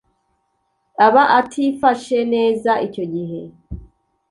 aba atifashe neza icyo gihe